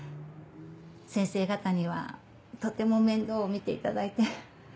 先生方にはとても面倒を見ていただいて。